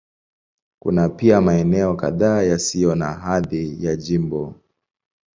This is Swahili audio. Kuna pia maeneo kadhaa yasiyo na hadhi ya jimbo.